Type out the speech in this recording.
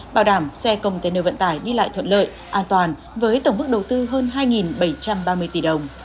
bảo đảm xe công tên nơi vận tải đi lại thuận lợi an toàn với tổng bức đầu tư hơn hai bảy trăm ba mươi tỷ đồng